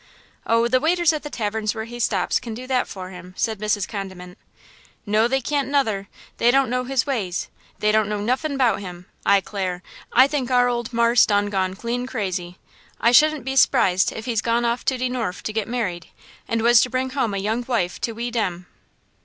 "Oh, the waiters at the taverns where he stops can do that for him," said Mrs. Condiment. "No, they can't, nuther; they don't know his ways! they don't know nuffin' 'bout him! I 'clare, I think our ole marse done gone clean crazy! I shouldn't be s'prised he'd gone off to de norf to get married, and was to bring home a young wife to we dem!"